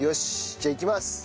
じゃあいきます。